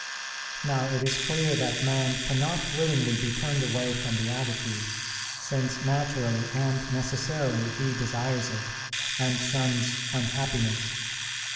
Now it is clear that man cannot willingly be turned away from beatitude, since naturally and necessarily he desires it, and shuns unhappiness.